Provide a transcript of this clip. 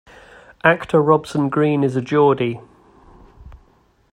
Actor Robson Green is a Geordie.